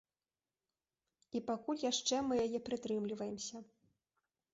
І пакуль яшчэ мы яе прытрымліваемся.